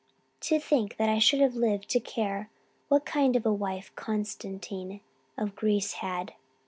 To think that I should have lived to care what kind of a wife Constantine of Greece had!